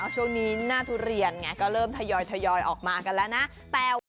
ช่วงนี้หน้าทุเรียนไงก็เริ่มทยอยออกมากันแล้วนะ